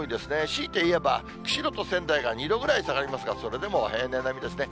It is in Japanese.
強いて言えば、釧路と仙台が２度ぐらい下がりますが、それでも平年並みですね。